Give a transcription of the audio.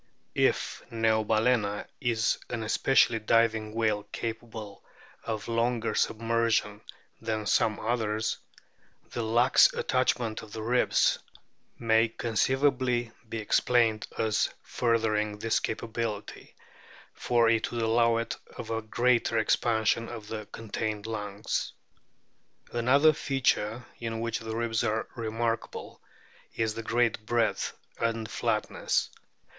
If Neobalcena is an especially diving whale capable of longer submersion than some others, the lax attachment of the ribs may conceivably be explained as furthering this capability, for it would allow of a greater expansion of the contained lungs. (See p. 55) Another feature in which the ribs are remarkable is their great breadth and flatness.